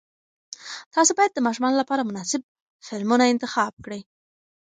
تاسې باید د ماشومانو لپاره مناسب فلمونه انتخاب کړئ.